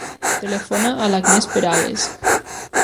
Telefona a l'Agnès Perales.